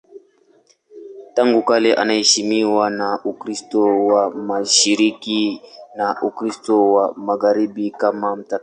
Tangu kale anaheshimiwa na Ukristo wa Mashariki na Ukristo wa Magharibi kama mtakatifu.